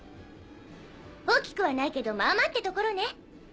大きくはないけどまあまあってところね。